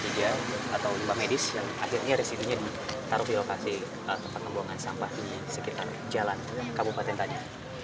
akhirnya residunya ditaruh di lokasi tempat nembungan sampah di sekitar jalan kabupaten tanya